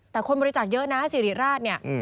แต่คนบริจาคเยอะนะสิริราชเนี่ย